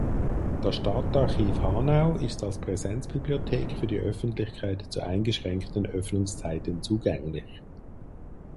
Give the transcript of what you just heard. Das Stadtarchiv Hanau ist als Präsenzbibliothek für die Öffentlichkeit zu eingeschränkten Öffnungszeiten zugänglich.